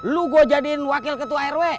lu gue jadiin wakil ketua rw